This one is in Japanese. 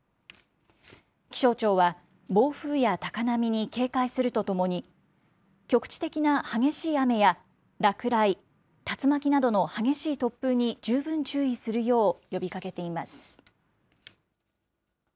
気象庁は、暴風や高波に警戒するとともに、局地的な激しい雨や落雷、竜巻などの激しい突風に十分注意するよう呼びかけています。